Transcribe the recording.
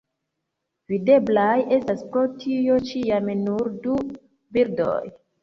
Videblaj estas pro tio ĉiam nur du bildoj.